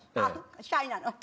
シャイなの？